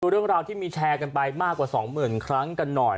เรื่องราวที่มีแชร์กันไปมากกว่า๒๐๐๐ครั้งกันหน่อย